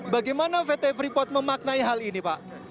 bagaimana pt freeport memaknai hal ini pak